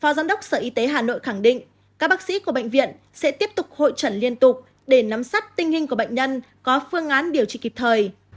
phó giám đốc sở y tế hà nội khẳng định các bác sĩ của bệnh viện sẽ tiếp tục hội trần liên tục để nắm sát tình hình của bệnh nhân có phương án điều trị kịp thời